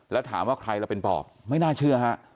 แล้วถามว่าใครเราเป็นปอบไม่น่าเชื่อฮะ